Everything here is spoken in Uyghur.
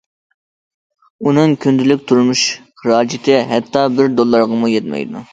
ئۇنىڭ كۈندىلىك تۇرمۇش خىراجىتى ھەتتا بىر دوللارغىمۇ يەتمەيدۇ.